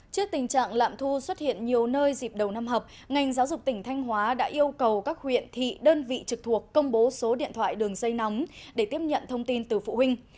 trước tình trạng lạm thu xuất hiện nhiều nơi dịp đầu năm học ngành giáo dục tỉnh thanh hóa đã yêu cầu các huyện thị đơn vị trực thuộc công bố số điện thoại đường dây nóng để tiếp nhận thông tin từ phụ huynh